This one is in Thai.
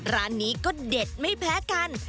ร้านนี้ก็เด็ดไม่แพ้กัน